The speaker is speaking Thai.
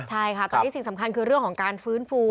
ใช่ค่ะตอนนี้สิ่งสำคัญคือเรื่องของการฟื้นฟู